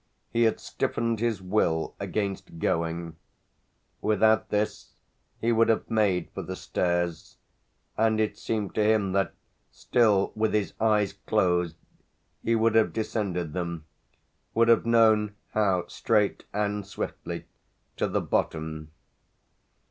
He had stiffened his will against going; without this he would have made for the stairs, and it seemed to him that, still with his eyes closed, he would have descended them, would have known how, straight and swiftly, to the bottom.